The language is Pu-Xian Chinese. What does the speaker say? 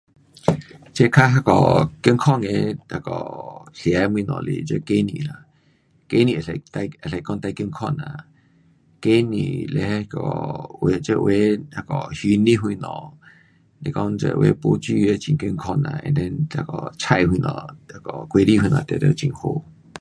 这较那个健康的那个吃的东西是这鸡蛋啦，鸡蛋可以最，可以讲最健康啦。鸡蛋嘞那个这的这有的鱼肉什么，是讲这有的没煮那很健康啦，and then 这个菜那个果子全部很好。